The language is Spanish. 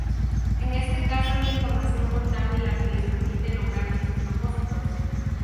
En este caso es la información contable la que les permite lograr dichos propósitos.